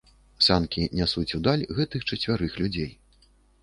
Санкі нясуць у даль гэтых чацвярых людзей.